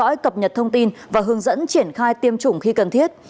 bộ y tế đã cập nhật thông tin và hướng dẫn triển khai tiêm chủng khi cần thiết